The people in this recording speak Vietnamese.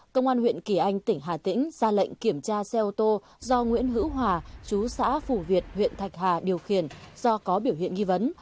công an huyện kỳ anh tỉnh hà tĩnh ra lệnh kiểm tra xe ô tô do nguyễn hữu hòa chú xã phủ việt huyện thạch hà điều khiển do có biểu hiện nghi vấn